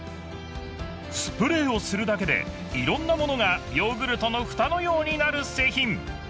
スプレーをするだけでいろんなものがヨーグルトのフタのようになる製品！